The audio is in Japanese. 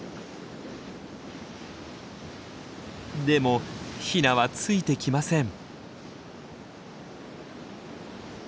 でもヒナはついてきません。